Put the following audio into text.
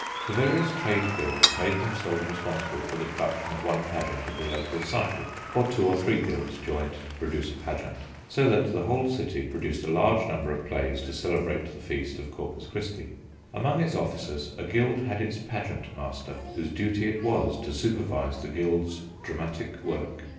The various trade guilds made themselves responsible for the production of one pageant of the local cycle, or two or three guilds joined to produce a pageant, so that the whole city produced a large number of plays to celebrate the feast of Corpus Christi. Among its officers a guild had its pageant master, whose duty it was to supervise the guild's dramatic work.